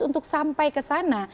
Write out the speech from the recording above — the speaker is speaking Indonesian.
untuk sampai ke sana